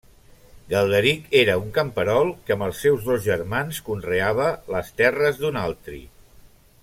Galderic era un camperol que, amb els seus dos germans, conreava les terres d'un altri.